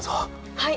はい！